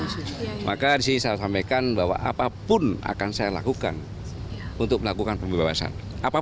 sehingga disini saya sampaikan bahwa apapun akan saya lakukan untuk melakukan pembebasan